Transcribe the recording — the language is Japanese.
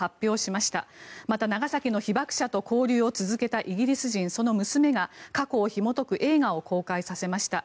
また、長崎の被爆者と交流を続けたイギリス人その娘が過去をひもとく映画を公開させました。